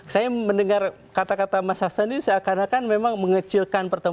saya mendengar kata kata mas hasan ini seakan akan memang mengecilkan pertemuan